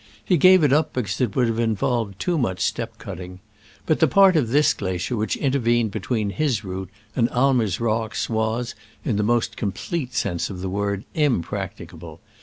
He gave it up because it would have involved too much step cutting. But the part of this glacier which inter vened between his route and Aimer's rocks was, in the most complete sense of the word, impracticable.